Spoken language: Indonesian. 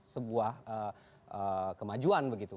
sebuah kemajuan begitu